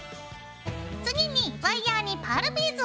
次にワイヤーにパールビーズを通すよ。